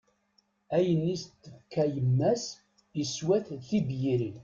Ayen i as-d-tefka yemma-s, iswa-t d tibyirin.